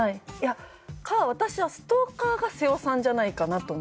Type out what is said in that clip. か私はストーカーが背尾さんじゃないかなと思って。